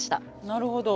なるほど。